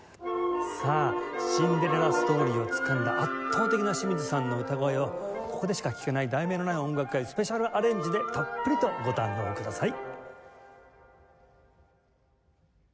さあシンデレラストーリーをつかんだ圧倒的な清水さんの歌声をここでしか聴けない『題名のない音楽会』スペシャルアレンジでたっぷりとご堪能ください。